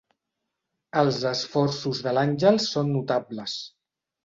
Els esforços de l'Àngels són notables.